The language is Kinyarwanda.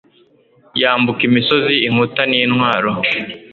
yambuka imisozi inkuta n'intwaro